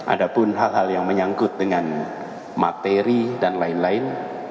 ada pun hal hal yang menyangkut dengan materi dan lain lain